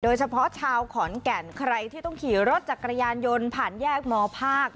เฉพาะชาวขอนแก่นใครที่ต้องขี่รถจักรยานยนต์ผ่านแยกมภาค